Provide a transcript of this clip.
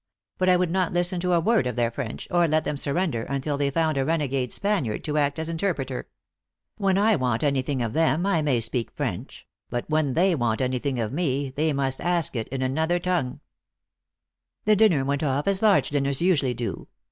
But I would not listen to a word of their French, or let them sur render, until they found a renegade Spaniard to act as interpreter. When I want anything of them, I may speak French ; but when they want anything of me, they must ask it in another tongue." The dinner went off as large dinners usually do.